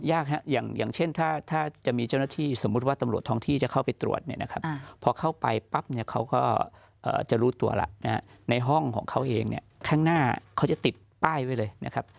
อย่างเช่นถ้าจะมีเจ้าหน้าที่สมมุติว่าตำรวจท้องที่จะเข้าไปตรวจเนี่ยนะครับพอเข้าไปปั๊บเนี่ยเขาก็จะรู้ตัวแล้วในห้องของเขาเองเนี่ยข้างหน้าเขาจะติดป้ายไว้เลยนะครับ